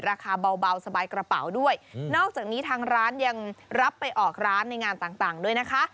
ราคาเบาสบายกระเป๋าด้วยนอกจากนี้ทางร้านยังรับไปออกร้านในงานต่างด้วยนะคะ